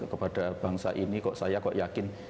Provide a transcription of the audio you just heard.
kepada bangsa ini kok saya kok yakin